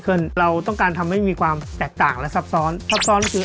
เลือกใช้วัตถุดิบที่มาจากของที่เหลือใช้แล้วเอามารีไซเคิล